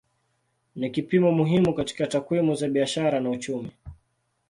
Ni kipimo muhimu katika takwimu za biashara na uchumi.